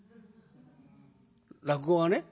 落語がね。